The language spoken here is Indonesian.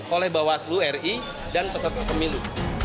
oleh bawaslu ri dan peserta pemilu